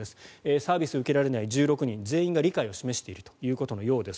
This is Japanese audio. サービスを受けられない１６人全員が理解を示しているということのようです。